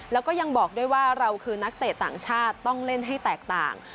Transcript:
แล้วก็ยังบอกด้วยว่าเราคือนักเตะต่างชาติต้องเล่นให้แตกต่าง